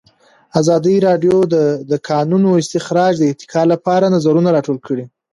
ازادي راډیو د د کانونو استخراج د ارتقا لپاره نظرونه راټول کړي.